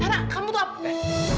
nara kamu tuh apa